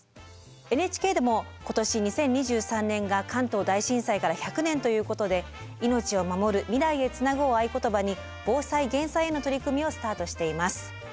ＮＨＫでも今年２０２３年が関東大震災から１００年ということで「命をまもる未来へつなぐ」を合言葉に防災・減災への取り組みをスタートしています。